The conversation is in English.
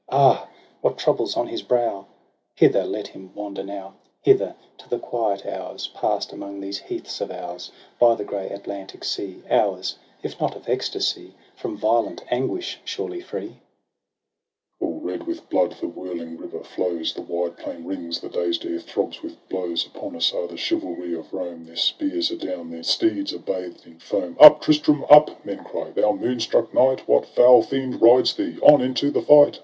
— Ah! what trouble's on his brow f* Hither let him wander now; TRISTRAM AND ISEULT. 201 Hither, to the quiet hours Pass'd among these heaths of ours By the grey Atlantic sea; Hours, if not of ecstasy, From violent anguish surely free ! Tristram. All red with blood the whirling river flows. The wide plain rings, the dazed air throbs with blows. Upon us are the chivalry of Rome — Their spears are down, their steeds are bathed in foam. ' Up, Tristram, up,' men cry, 'thou moonstruck knight ! What foul fiend rides thee? On into the fight!'